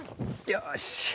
よし。